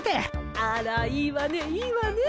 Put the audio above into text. あらいいわねいいわね。